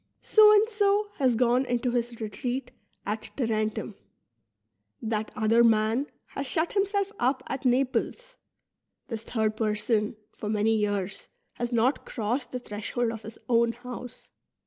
So and so "' has gone into his retreat at Tarentum ; that other man has shut himself up at Naples ; this third person for many 3'ears has not crossed the threshold of his own house.